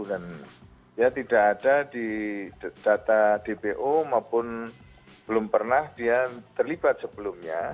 dia tidak ada di data dpo maupun belum pernah dia terlibat sebelumnya